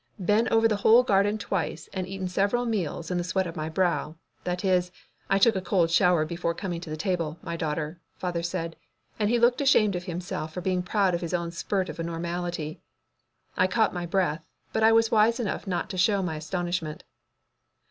"Been over the whole garden twice and eaten several meals in the sweat of my brow that is, I took a cold shower before coming to the table, my daughter," father said, and he looked ashamed of himself for being proud of his own spurt of normality. I caught my breath, but I was wise enough not to show my astonishment.